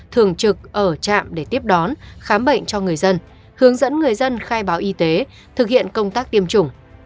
thường trực ở trạm để tiếp đón khám bệnh cho người dân hướng dẫn người dân khai báo y tế thực hiện công tác tiêm chủng